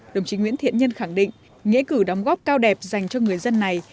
đồng chí nguyễn thiện nhân khẳng định nghĩa cử đóng góp cao đẹp dành cho người dân này